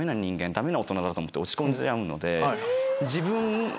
ダメな大人だと思って落ち込んじゃうので。